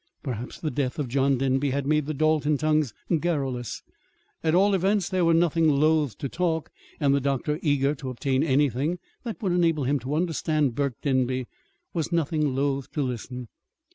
Perhaps the death of John Denby had made the Dalton tongues garrulous. At all events they were nothing loath to talk; and the doctor, eager to obtain anything that would enable him to understand Burke Denby, was nothing loath to listen.